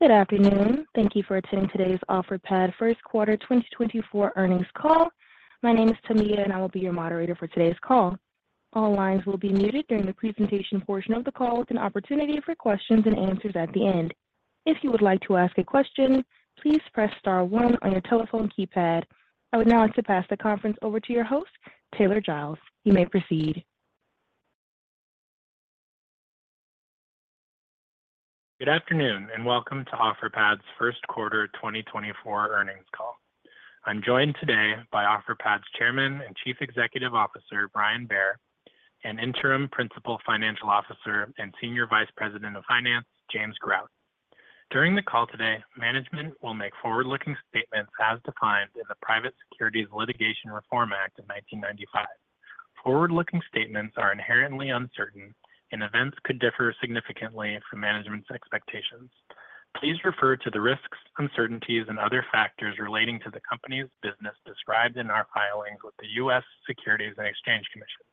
Good afternoon. Thank you for attending today's Offerpad First Quarter 2024 Earnings Call. My name is Tamiya, and I will be your moderator for today's call. All lines will be muted during the presentation portion of the call with an opportunity for questions and answers at the end. If you would like to ask a question, please press star one on your telephone keypad. I would now like to pass the conference over to your host, Taylor Giles. You may proceed. Good afternoon and welcome to Offerpad's First Quarter 2024 Earnings Call. I'm joined today by Offerpad's Chairman and Chief Executive Officer, Brian Bair, and Interim Principal Financial Officer and Senior Vice President of Finance, James Grout. During the call today, management will make forward-looking statements as defined in the Private Securities Litigation Reform Act of 1995. Forward-looking statements are inherently uncertain, and events could differ significantly from management's expectations. Please refer to the risks, uncertainties, and other factors relating to the company's business described in our filings with the U.S. Securities and Exchange Commission.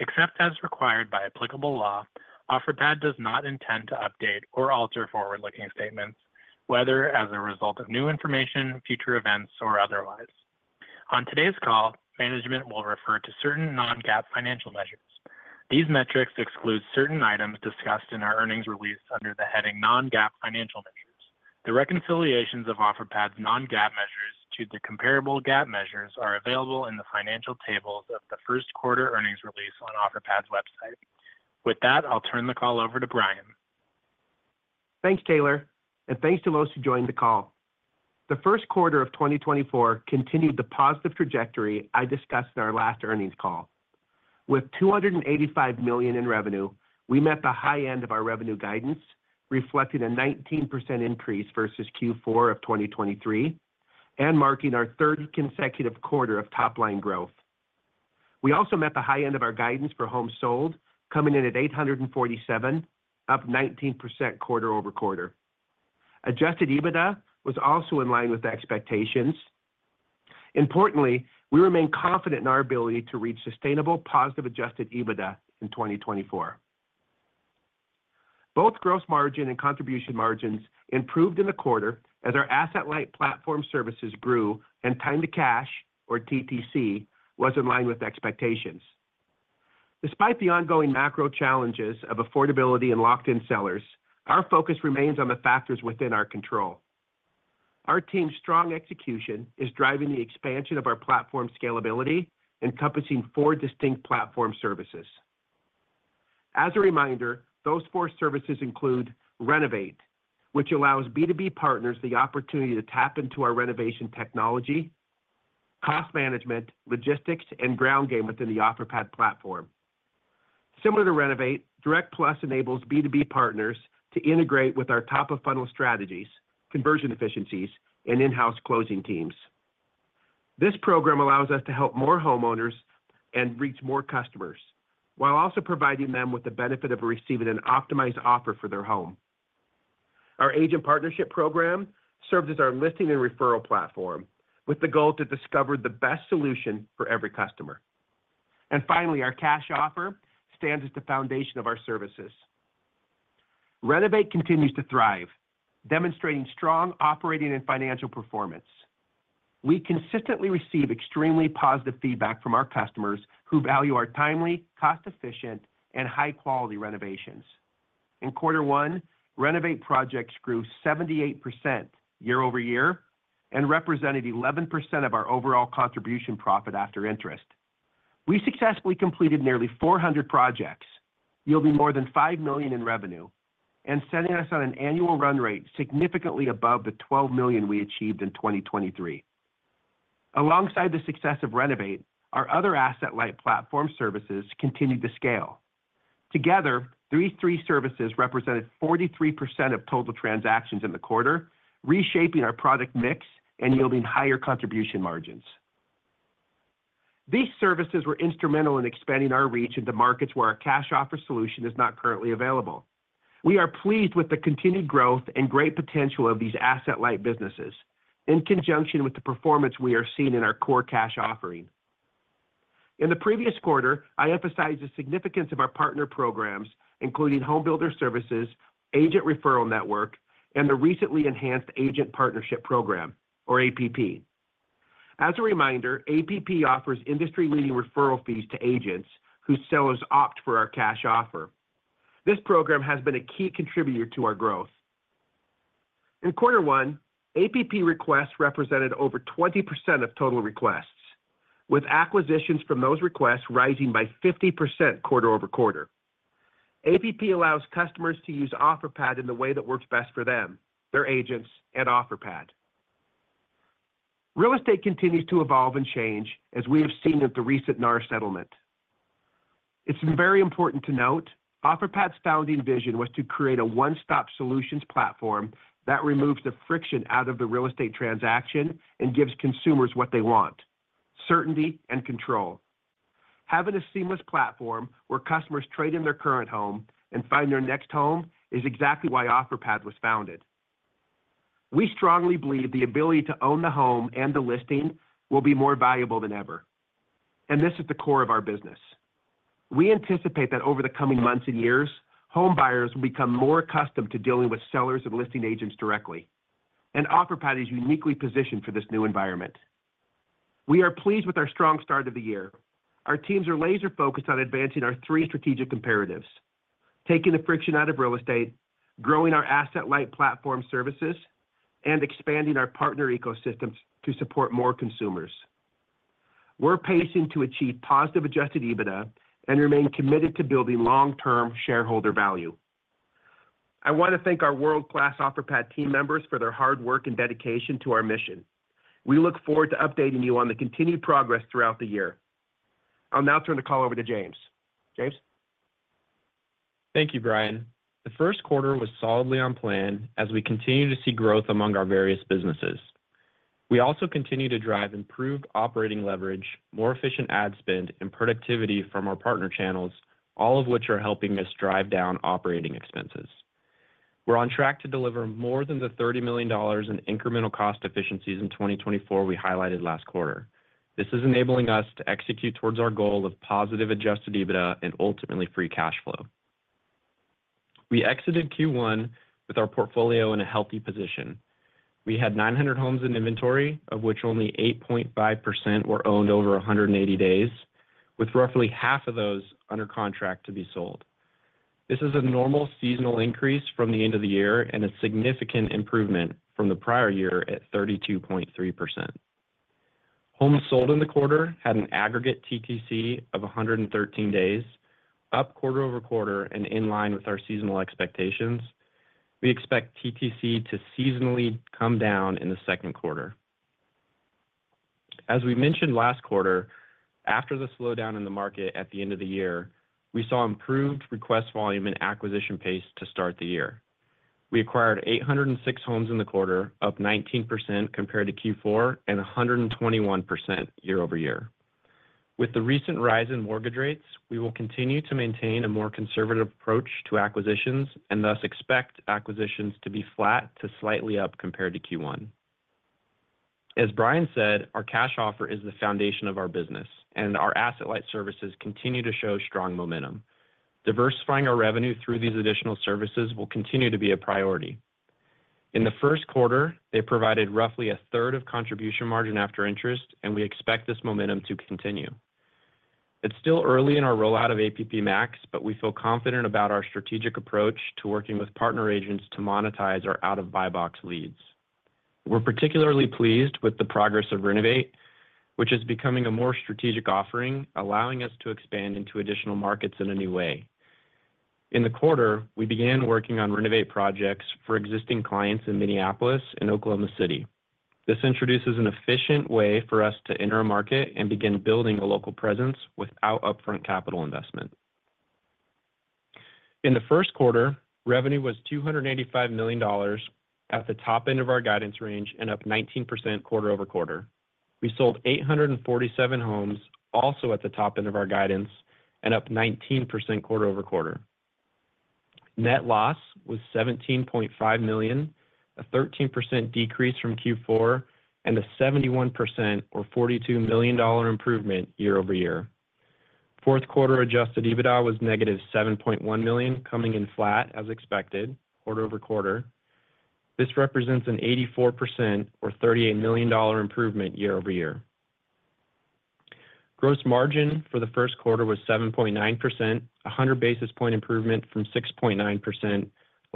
Except as required by applicable law, Offerpad does not intend to update or alter forward-looking statements, whether as a result of new information, future events, or otherwise. On today's call, management will refer to certain non-GAAP financial measures. These metrics exclude certain items discussed in our earnings release under the heading non-GAAP Financial Measures. The reconciliations of Offerpad's non-GAAP measures to the comparable GAAP measures are available in the financial tables of the first quarter earnings release on Offerpad's website. With that, I'll turn the call over to Brian. Thanks, Taylor, and thanks to those who joined the call. The first quarter of 2024 continued the positive trajectory I discussed in our last earnings call. With $285 million in revenue, we met the high end of our revenue guidance, reflecting a 19% increase versus Q4 of 2023 and marking our third consecutive quarter of top-line growth. We also met the high end of our guidance for homes sold, coming in at 847, up 19% quarter-over-quarter. Adjusted EBITDA was also in line with expectations. Importantly, we remain confident in our ability to reach sustainable, positive adjusted EBITDA in 2024. Both gross margin and contribution margins improved in the quarter as our asset-light platform services grew and time-to-cash, or TTC, was in line with expectations. Despite the ongoing macro challenges of affordability and locked-in sellers, our focus remains on the factors within our control. Our team's strong execution is driving the expansion of our platform scalability, encompassing four distinct platform services. As a reminder, those four services include Renovate, which allows B2B partners the opportunity to tap into our renovation technology, cost management, logistics, and ground game within the Offerpad platform. Similar to Renovate, Direct Plus enables B2B partners to integrate with our top-of-funnel strategies, conversion efficiencies, and in-house closing teams. This program allows us to help more homeowners and reach more customers while also providing them with the benefit of receiving an optimized offer for their home. Our agent partnership program serves as our listing and referral platform with the goal to discover the best solution for every customer. Finally, our Cash Offer stands as the foundation of our services. Renovate continues to thrive, demonstrating strong operating and financial performance. We consistently receive extremely positive feedback from our customers who value our timely, cost-efficient, and high-quality renovations. In quarter one, Renovate projects grew 78% year-over-year and represented 11% of our overall contribution profit after interest. We successfully completed nearly 400 projects, yielding more than $5 million in revenue and setting us on an annual run rate significantly above the $12 million we achieved in 2023. Alongside the success of Renovate, our other asset-light platform services continued to scale. Together, these three services represented 43% of total transactions in the quarter, reshaping our product mix and yielding higher contribution margins. These services were instrumental in expanding our reach into markets where our cash offer solution is not currently available. We are pleased with the continued growth and great potential of these asset-light businesses in conjunction with the performance we are seeing in our core cash offering. In the previous quarter, I emphasized the significance of our partner programs, including Homebuilder Services, agent referral network, and the recently enhanced Agent Partnership Program, or APP. As a reminder, APP offers industry-leading referral fees to agents whose sellers opt for our Cash Offer. This program has been a key contributor to our growth. In quarter one, APP requests represented over 20% of total requests, with acquisitions from those requests rising by 50% quarter-over-quarter. APP allows customers to use Offerpad in the way that works best for them, their agents, and Offerpad. Real estate continues to evolve and change as we have seen in the recent NAR settlement. It's very important to note Offerpad's founding vision was to create a one-stop solutions platform that removes the friction out of the real estate transaction and gives consumers what they want: certainty and control. Having a seamless platform where customers trade in their current home and find their next home is exactly why Offerpad was founded. We strongly believe the ability to own the home and the listing will be more valuable than ever, and this is the core of our business. We anticipate that over the coming months and years, homebuyers will become more accustomed to dealing with sellers and listing agents directly, and Offerpad is uniquely positioned for this new environment. We are pleased with our strong start of the year. Our teams are laser-focused on advancing our three strategic imperatives: taking the friction out of real estate, growing our asset-light platform services, and expanding our partner ecosystems to support more consumers. We're pacing to achieve positive adjusted EBITDA and remain committed to building long-term shareholder value. I want to thank our world-class Offerpad team members for their hard work and dedication to our mission. We look forward to updating you on the continued progress throughout the year. I'll now turn the call over to James. James? Thank you, Brian. The first quarter was solidly on plan as we continue to see growth among our various businesses. We also continue to drive improved operating leverage, more efficient ad spend, and productivity from our partner channels, all of which are helping us drive down operating expenses. We're on track to deliver more than the $30 million in incremental cost efficiencies in 2024 we highlighted last quarter. This is enabling us to execute towards our goal of positive adjusted EBITDA and ultimately free cash flow. We exited Q1 with our portfolio in a healthy position. We had 900 homes in inventory, of which only 8.5% were owned over 180 days, with roughly half of those under contract to be sold. This is a normal seasonal increase from the end of the year and a significant improvement from the prior year at 32.3%. Homes sold in the quarter had an aggregate TTC of 113 days, up quarter-over-quarter and in line with our seasonal expectations. We expect TTC to seasonally come down in the second quarter. As we mentioned last quarter, after the slowdown in the market at the end of the year, we saw improved request volume and acquisition pace to start the year. We acquired 806 homes in the quarter, up 19% compared to Q4 and 121% year-over-year. With the recent rise in mortgage rates, we will continue to maintain a more conservative approach to acquisitions and thus expect acquisitions to be flat to slightly up compared to Q1. As Brian said, our cash offer is the foundation of our business, and our asset-light services continue to show strong momentum. Diversifying our revenue through these additional services will continue to be a priority. In the first quarter, they provided roughly a third of contribution margin after interest, and we expect this momentum to continue. It's still early in our rollout of APP Max, but we feel confident about our strategic approach to working with partner agents to monetize our out-of-buy-box leads. We're particularly pleased with the progress of Renovate, which is becoming a more strategic offering, allowing us to expand into additional markets in a new way. In the quarter, we began working on Renovate projects for existing clients in Minneapolis and Oklahoma City. This introduces an efficient way for us to enter a market and begin building a local presence without upfront capital investment. In the first quarter, revenue was $285 million at the top end of our guidance range and up 19% quarter-over-quarter. We sold 847 homes, also at the top end of our guidance and up 19% quarter-over-quarter. Net loss was $17.5 million, a 13% decrease from Q4 and a 71% or $42 million improvement year-over-year. Fourth quarter adjusted EBITDA was negative $7.1 million, coming in flat as expected quarter-over-quarter. This represents an 84% or $38 million improvement year-over-year. Gross margin for the first quarter was 7.9%, a 100 basis point improvement from 6.9%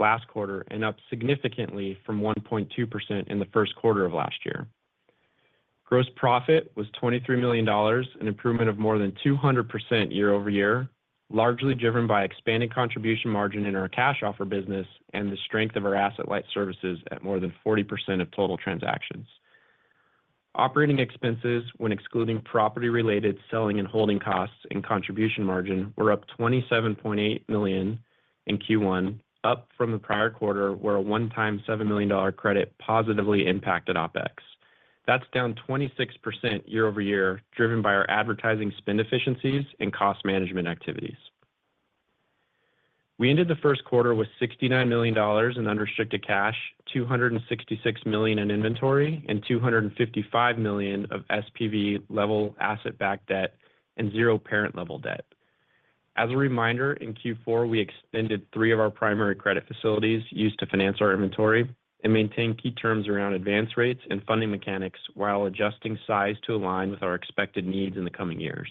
last quarter and up significantly from 1.2% in the first quarter of last year. Gross profit was $23 million, an improvement of more than 200% year-over-year, largely driven by expanding contribution margin in our Cash Offer business and the strength of our asset-light services at more than 40% of total transactions. Operating expenses, when excluding property-related selling and holding costs and contribution margin, were up $27.8 million in Q1, up from the prior quarter where a one-time $7 million credit positively impacted OpEx. That's down 26% year-over-year, driven by our advertising spend efficiencies and cost management activities. We ended the first quarter with $69 million in unrestricted cash, $266 million in inventory, and $255 million of SPV-level asset-backed debt and zero parent-level debt. As a reminder, in Q4, we extended three of our primary credit facilities used to finance our inventory and maintain key terms around advance rates and funding mechanics while adjusting size to align with our expected needs in the coming years.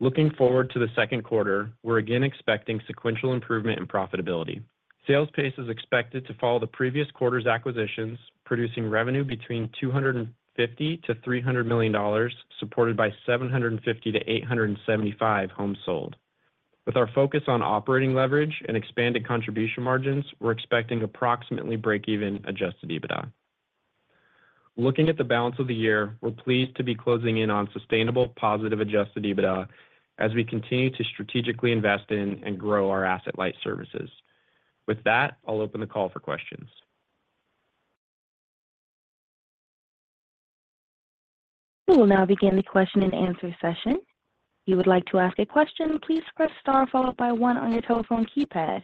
Looking forward to the second quarter, we're again expecting sequential improvement in profitability. Sales pace is expected to follow the previous quarter's acquisitions, producing revenue between $250-$300 million, supported by 750-875 homes sold. With our focus on operating leverage and expanded contribution margins, we're expecting approximately break-even adjusted EBITDA. Looking at the balance of the year, we're pleased to be closing in on sustainable, positive adjusted EBITDA as we continue to strategically invest in and grow our asset-light services. With that, I'll open the call for questions. We will now begin the question and answer session. If you would like to ask a question, please press star followed by one on your telephone keypad.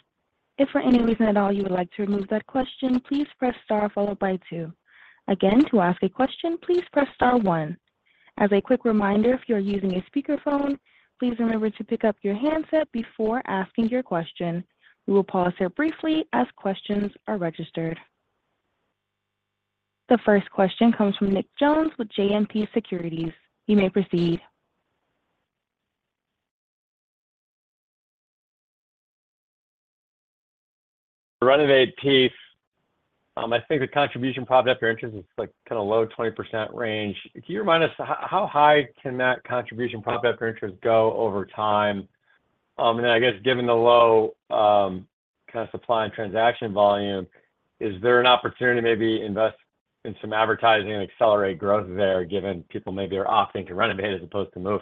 If for any reason at all you would like to remove that question, please press star followed by two. Again, to ask a question, please press star one. As a quick reminder, if you are using a speakerphone, please remember to pick up your handset before asking your question. We will pause here briefly as questions are registered. The first question comes from Nick Jones with JMP Securities. You may proceed. Renovate piece, I think the contribution profit after interest is kind of low 20% range. Can you remind us how high can that contribution profit after interest go over time? And then, I guess, given the low kind of supply and transaction volume, is there an opportunity to maybe invest in some advertising and accelerate growth there given people maybe are opting to renovate as opposed to move?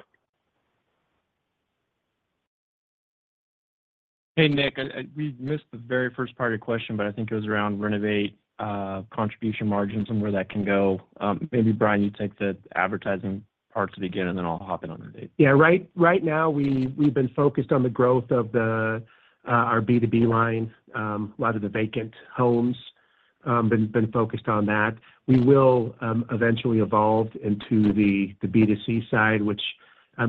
Hey, Nick. We missed the very first part of your question, but I think it was around Renovate contribution margins, somewhere that can go. Maybe, Brian, you take the advertising part to begin, and then I'll hop in on Renovate. Yeah. Right now, we've been focused on the growth of our B2B line. A lot of the vacant homes have been focused on that. We will eventually evolve into the B2C side, which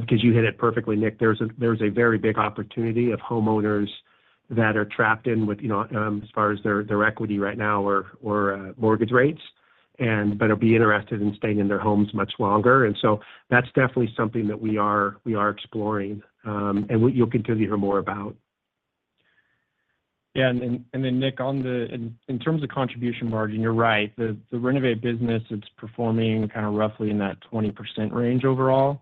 because you hit it perfectly, Nick, there's a very big opportunity of homeowners that are trapped in, as far as their equity right now or mortgage rates, but are interested in staying in their homes much longer. And so that's definitely something that we are exploring, and you'll continue to hear more about. Yeah. And then, Nick, in terms of contribution margin, you're right. The Renovate business, it's performing kind of roughly in that 20% range overall.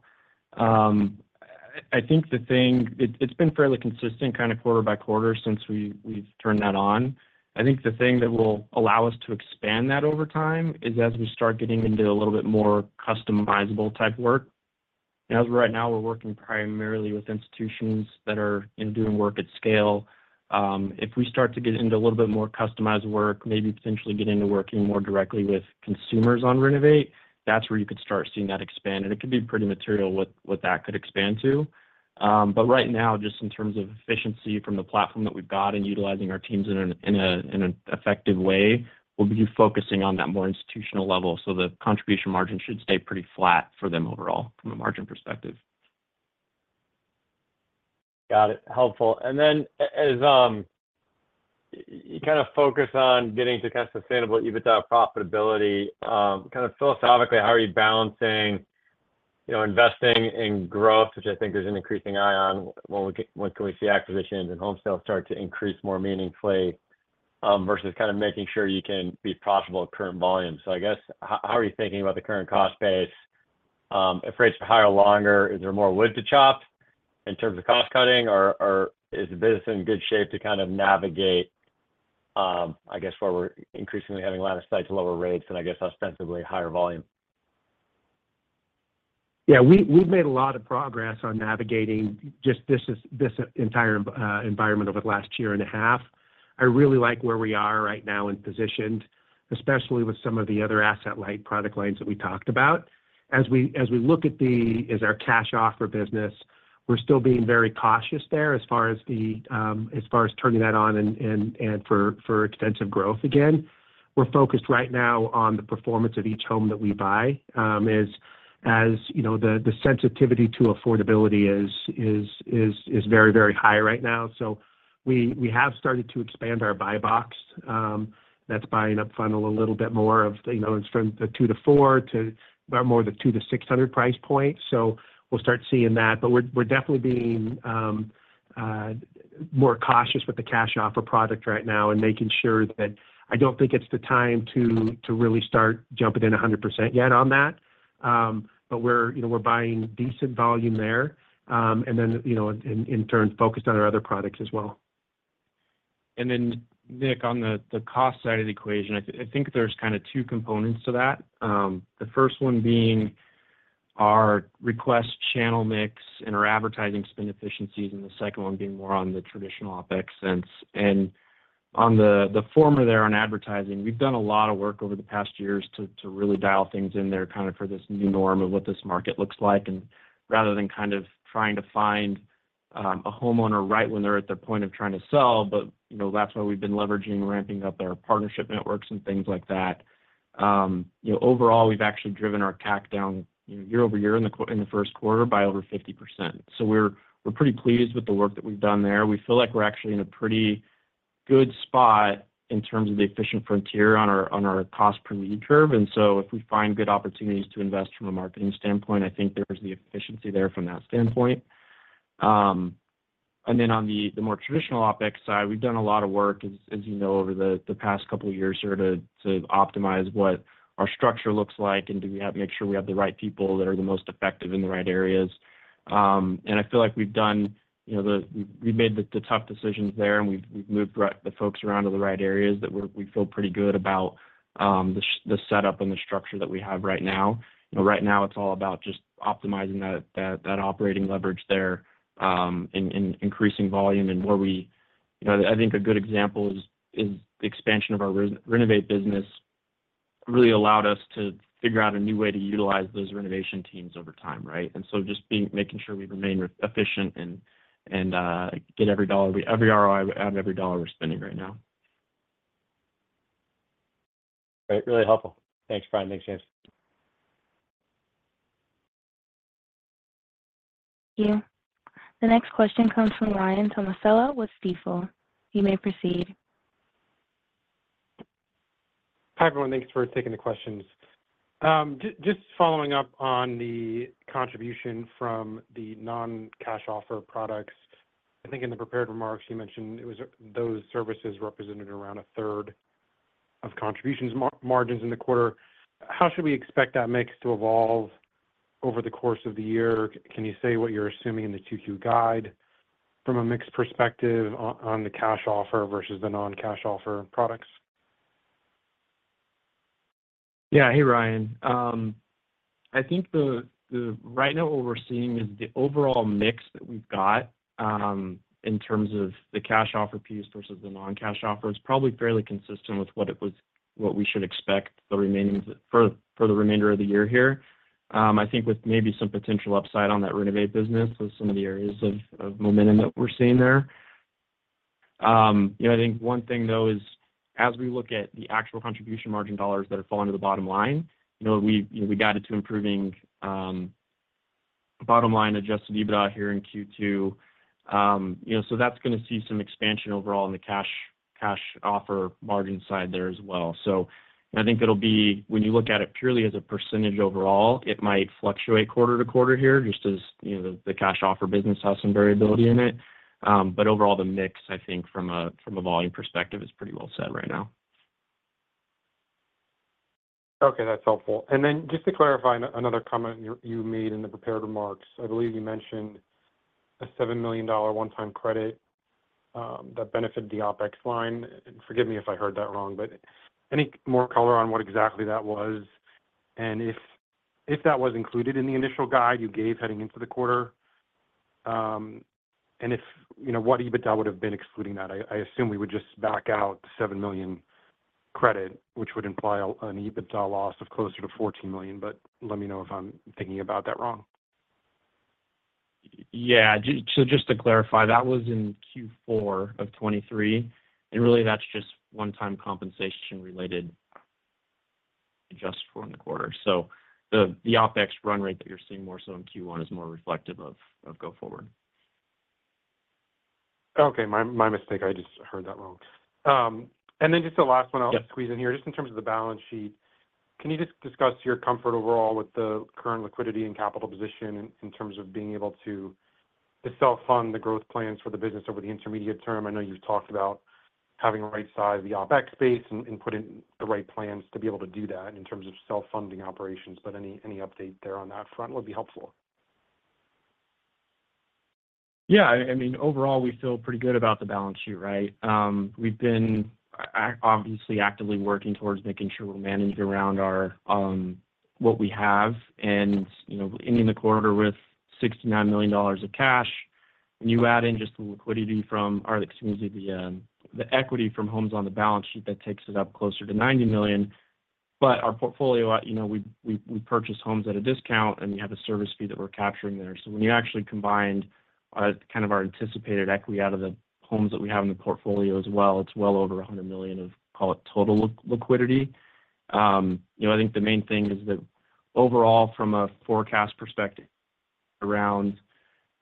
I think the thing it's been fairly consistent kind of quarter by quarter since we've turned that on. I think the thing that will allow us to expand that over time is as we start getting into a little bit more customizable type work. As of right now, we're working primarily with institutions that are doing work at scale. If we start to get into a little bit more customized work, maybe potentially get into working more directly with consumers on Renovate, that's where you could start seeing that expand. And it could be pretty material what that could expand to. But right now, just in terms of efficiency from the platform that we've got and utilizing our teams in an effective way, we'll be focusing on that more institutional level so the contribution margin should stay pretty flat for them overall from a margin perspective. Got it. Helpful. And then as you kind of focus on getting to kind of sustainable EBITDA profitability, kind of philosophically, how are you balancing investing in growth, which I think there's an increasing eye on when can we see acquisitions and home sales start to increase more meaningfully versus kind of making sure you can be profitable at current volume? So I guess, how are you thinking about the current cost base? If rates are higher longer, is there more wood to chop in terms of cost cutting, or is the business in good shape to kind of navigate, I guess, where we're increasingly having line of sight at lower rates and, I guess, ostensibly higher volume? Yeah. We've made a lot of progress on navigating just this entire environment over the last year and a half. I really like where we are right now and positioned, especially with some of the other asset-light product lines that we talked about. As we look at our Cash Offer business, we're still being very cautious there as far as turning that on and for extensive growth again. We're focused right now on the performance of each home that we buy as the sensitivity to affordability is very, very high right now. So we have started to expand our buy box. That's buying up front a little bit more from the two to four to more of the two to 600 price point. So we'll start seeing that. But we're definitely being more cautious with the Cash Offer product right now and making sure that I don't think it's the time to really start jumping in 100% yet on that. But we're buying decent volume there and then, in turn, focused on our other products as well. And then, Nick, on the cost side of the equation, I think there's kind of two components to that. The first one being our request channel mix and our advertising spend efficiencies and the second one being more on the traditional OpEx sense. And on the former there, on advertising, we've done a lot of work over the past years to really dial things in there kind of for this new norm of what this market looks like. And rather than kind of trying to find a homeowner right when they're at their point of trying to sell, but that's why we've been leveraging ramping up our partnership networks and things like that. Overall, we've actually driven our CAC down year-over-year in the first quarter by over 50%. So we're pretty pleased with the work that we've done there. We feel like we're actually in a pretty good spot in terms of the efficient frontier on our cost per lead curve. So if we find good opportunities to invest from a marketing standpoint, I think there's the efficiency there from that standpoint. Then on the more traditional OpEx side, we've done a lot of work, as you know, over the past couple of years here to optimize what our structure looks like, and do we make sure we have the right people that are the most effective in the right areas? And I feel like we've made the tough decisions there, and we've moved the folks around to the right areas that we feel pretty good about the setup and the structure that we have right now. Right now, it's all about just optimizing that operating leverage there and increasing volume and where we, I think, a good example is the expansion of our Renovate business really allowed us to figure out a new way to utilize those renovation teams over time, right? And so just making sure we remain efficient and get every dollar, every ROI out of every dollar we're spending right now. Great. Really helpful. Thanks, Brian. Thanks, James. Here. The next question comes from Ryan Tomasello with Stifel. You may proceed. Hi, everyone. Thanks for taking the questions. Just following up on the contribution from the non-cash offer products, I think in the prepared remarks, you mentioned those services represented around a third of contribution margins in the quarter. How should we expect that mix to evolve over the course of the year? Can you say what you're assuming in the 2Q guide from a mix perspective on the cash offer versus the non-cash offer products? Yeah. Hey, Ryan. I think right now, what we're seeing is the overall mix that we've got in terms of the cash offer piece versus the non-cash offer is probably fairly consistent with what it was what we should expect for the remainder of the year here. I think with maybe some potential upside on that Renovate business with some of the areas of momentum that we're seeing there. I think one thing, though, is as we look at the actual contribution margin dollars that are falling to the bottom line, we got it to improving bottom line adjusted EBITDA here in Q2. So that's going to see some expansion overall in the cash offer margin side there as well. I think it'll be when you look at it purely as a percentage overall, it might fluctuate quarter-to-quarter here just as the Cash Offer business has some variability in it. But overall, the mix, I think, from a volume perspective, is pretty well set right now. Okay. That's helpful. And then just to clarify, another comment you made in the prepared remarks, I believe you mentioned a $7 million one-time credit that benefited the OpEx line. And forgive me if I heard that wrong, but any more color on what exactly that was? And if that was included in the initial guide you gave heading into the quarter, and what EBITDA would have been excluding that? I assume we would just back out the $7 million credit, which would imply an EBITDA loss of closer to $14 million. But let me know if I'm thinking about that wrong. Yeah. Just to clarify, that was in Q4 of 2023. Really, that's just one-time compensation-related adjustment in the quarter. The OpEx run rate that you're seeing more so in Q1 is more reflective of go forward. Okay. My mistake. I just heard that wrong. And then just the last one I'll squeeze in here, just in terms of the balance sheet, can you just discuss your comfort overall with the current liquidity and capital position in terms of being able to self-fund the growth plans for the business over the intermediate term? I know you've talked about having right-sized the OpEx base and putting the right plans to be able to do that in terms of self-funding operations. But any update there on that front would be helpful. Yeah. I mean, overall, we feel pretty good about the balance sheet, right? We've been obviously actively working towards making sure we're managing around what we have. And ending the quarter with $69 million of cash, when you add in just the liquidity from or excuse me, the equity from homes on the balance sheet, that takes it up closer to $90 million. But our portfolio, we purchase homes at a discount, and we have a service fee that we're capturing there. So when you actually combined kind of our anticipated equity out of the homes that we have in the portfolio as well, it's well over $100 million of, call it, total liquidity. I think the main thing is that overall, from a forecast perspective, around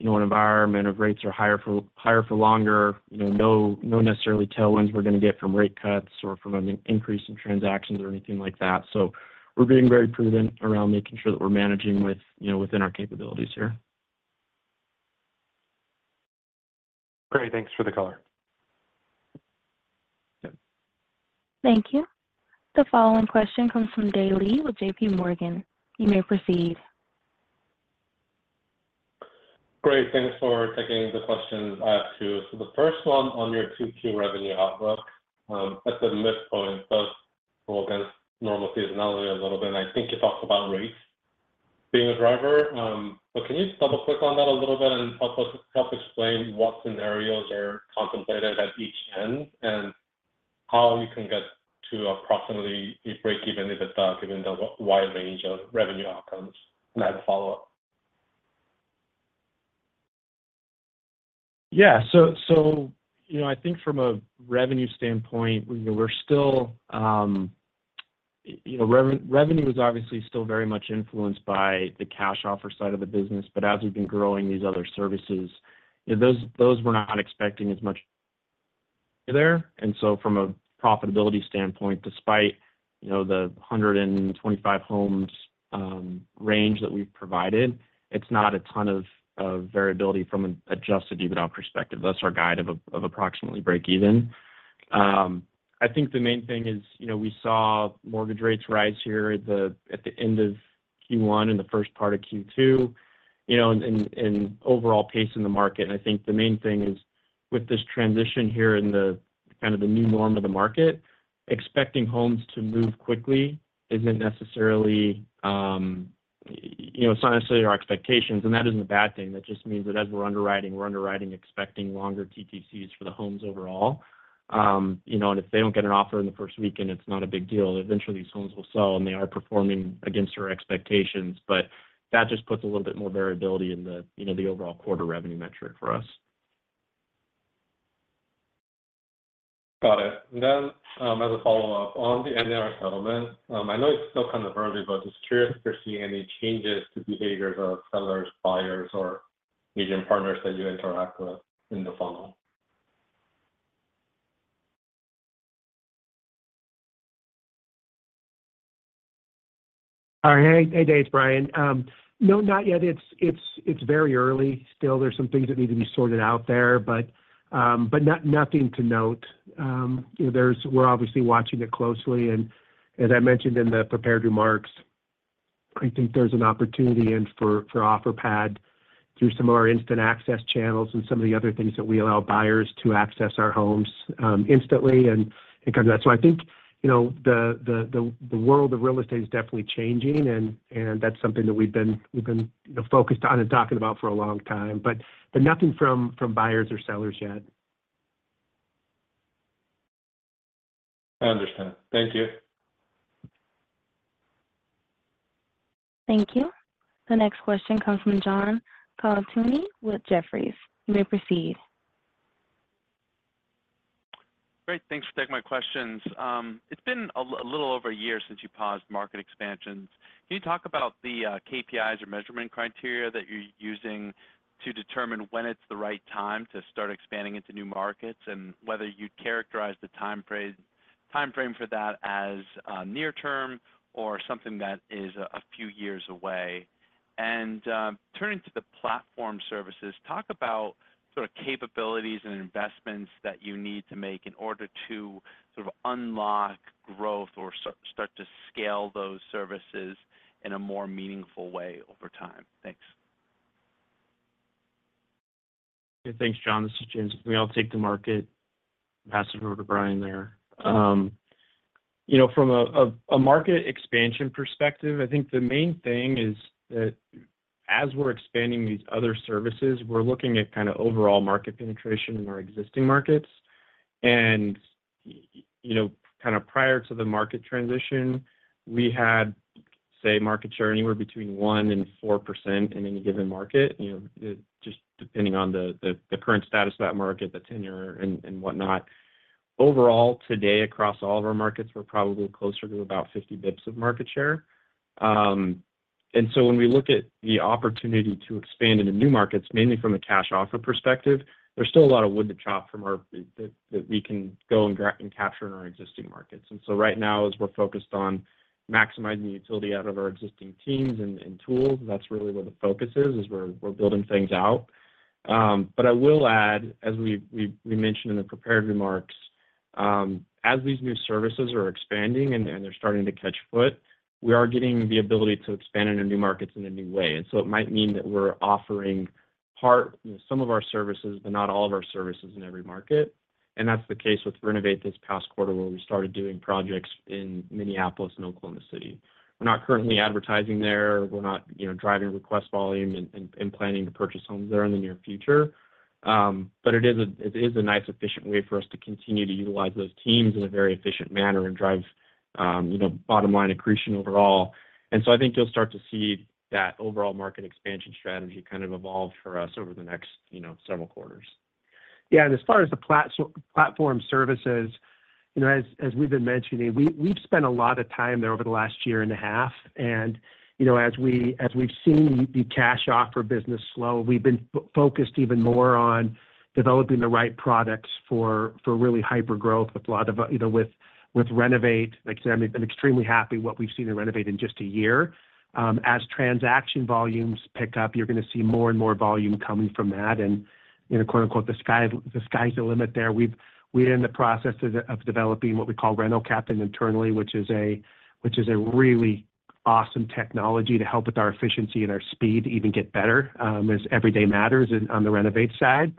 an environment of rates are higher for longer, not necessarily tailwinds we're going to get from rate cuts or from an increase in transactions or anything like that. So we're being very prudent around making sure that we're managing within our capabilities here. Great. Thanks for the color. Thank you. The following question comes from Dae Lee with J.P. Morgan. You may proceed. Great. Thanks for taking the questions I have too. So the first one on your 2Q revenue outlook, at the midpoint, so we'll go normal seasonality a little bit. And I think you talked about rates being a driver. But can you double-click on that a little bit and help explain what scenarios are contemplated at each end and how you can get to approximately a break-even EBITDA given the wide range of revenue outcomes? And I have a follow-up. Yeah. So I think from a revenue standpoint, we're still, revenue is obviously still very much influenced by the Cash Offer side of the business. But as we've been growing these other services, those, we're not expecting as much there. And so from a profitability standpoint, despite the 125 homes range that we've provided, it's not a ton of variability from an adjusted EBITDA perspective. That's our guide of approximately break-even. I think the main thing is we saw mortgage rates rise here at the end of Q1 and the first part of Q2 in overall pace in the market. And I think the main thing is with this transition here in kind of the new norm of the market, expecting homes to move quickly isn't necessarily, it's not necessarily our expectations. And that isn't a bad thing. That just means that as we're underwriting, we're underwriting expecting longer TTCs for the homes overall. If they don't get an offer in the first weekend, it's not a big deal. Eventually, these homes will sell, and they are performing against our expectations. But that just puts a little bit more variability in the overall quarter revenue metric for us. Got it. Then as a follow-up on the NAR settlement, I know it's still kind of early, but just curious if you're seeing any changes to behaviors of sellers, buyers, or agent partners that you interact with in the funnel? All right. Hey, Dave, Brian. No, not yet. It's very early still. There's some things that need to be sorted out there, but nothing to note. We're obviously watching it closely. And as I mentioned in the prepared remarks, I think there's an opportunity in for Offerpad through some of our instant access channels and some of the other things that we allow buyers to access our homes instantly and kind of that. So I think the world of real estate is definitely changing, and that's something that we've been focused on and talking about for a long time. But nothing from buyers or sellers yet. I understand. Thank you. Thank you. The next question comes from John Colantuoni with Jefferies. You may proceed. Great. Thanks for taking my questions. It's been a little over a year since you paused market expansions. Can you talk about the KPIs or measurement criteria that you're using to determine when it's the right time to start expanding into new markets and whether you'd characterize the time frame for that as near-term or something that is a few years away? And turning to the platform services, talk about sort of capabilities and investments that you need to make in order to sort of unlock growth or start to scale those services in a more meaningful way over time. Thanks. Yeah. Thanks, John. This is James. If we all take the market, pass it over to Brian there. From a market expansion perspective, I think the main thing is that as we're expanding these other services, we're looking at kind of overall market penetration in our existing markets. And kind of prior to the market transition, we had, say, market share anywhere between 1%-4% in any given market, just depending on the current status of that market, the tenure, and whatnot. Overall, today, across all of our markets, we're probably closer to about 50 basis points of market share. And so when we look at the opportunity to expand into new markets, mainly from a cash offer perspective, there's still a lot of wood to chop that we can go and capture in our existing markets. And so right now, as we're focused on maximizing utility out of our existing teams and tools, that's really where the focus is, we're building things out. But I will add, as we mentioned in the prepared remarks, as these new services are expanding and they're starting to catch foot, we are getting the ability to expand into new markets in a new way. And so it might mean that we're offering some of our services, but not all of our services in every market. And that's the case with Renovate this past quarter where we started doing projects in Minneapolis and Oklahoma City. We're not currently advertising there. We're not driving request volume and planning to purchase homes there in the near future. But it is a nice, efficient way for us to continue to utilize those teams in a very efficient manner and drive bottom line accretion overall. And so I think you'll start to see that overall market expansion strategy kind of evolve for us over the next several quarters. Yeah. As far as the platform services, as we've been mentioning, we've spent a lot of time there over the last year and a half. As we've seen the cash offer business slow, we've been focused even more on developing the right products for really hyper-growth with a lot of Renovate. Like I said, I'm extremely happy with what we've seen in Renovate in just a year. As transaction volumes pick up, you're going to see more and more volume coming from that. "The sky's the limit" there. We're in the process of developing what we call Rental Captain internally, which is a really awesome technology to help with our efficiency and our speed even get better as every day matters on the Renovate side.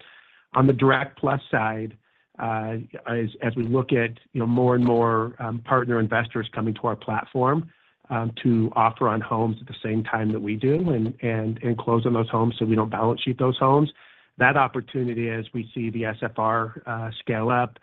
On the Direct Plus side, as we look at more and more partner investors coming to our platform to offer on homes at the same time that we do and close on those homes so we don't balance sheet those homes, that opportunity is we see the SFR scale up,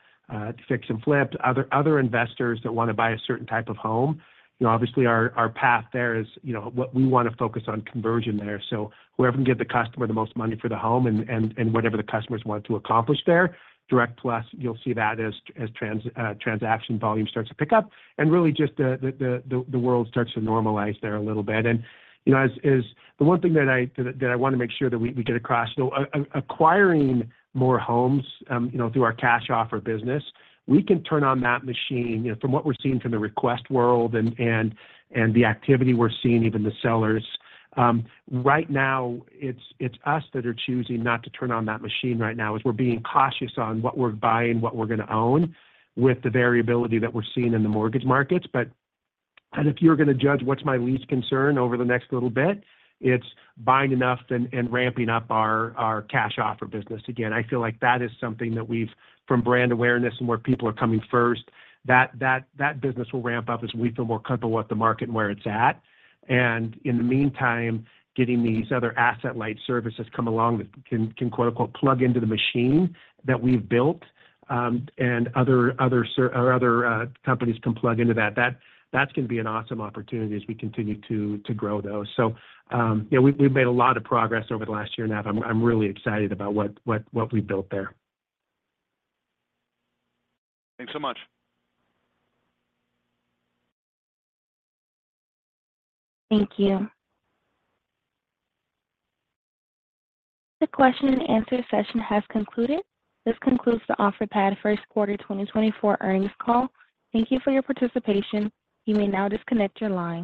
fix and flip, other investors that want to buy a certain type of home. Obviously, our path there is what we want to focus on conversion there. So whoever can give the customer the most money for the home and whatever the customers want to accomplish there, Direct Plus, you'll see that as transaction volume starts to pick up and really just the world starts to normalize there a little bit. The one thing that I want to make sure that we get across, so acquiring more homes through our Cash Offer business, we can turn on that machine. From what we're seeing from the Realtor world and the activity we're seeing, even the sellers, right now, it's us that are choosing not to turn on that machine right now as we're being cautious on what we're buying, what we're going to own with the variability that we're seeing in the mortgage markets. But if you're going to judge what's my least concern over the next little bit, it's buying enough and ramping up our Cash Offer business. Again, I feel like that is something that we've from brand awareness and where people are coming first, that business will ramp up as we feel more comfortable with the market and where it's at. And in the meantime, getting these other asset-light services come along that can "plug into the machine" that we've built and other companies can plug into that, that's going to be an awesome opportunity as we continue to grow those. So we've made a lot of progress over the last year and a half. I'm really excited about what we've built there. Thanks so much. Thank you. The question-and-answer session has concluded. This concludes the Offerpad First Quarter 2024 Earnings Call. Thank you for your participation. You may now disconnect your line.